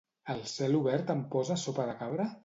Al celobert em poses Sopa de Cabra?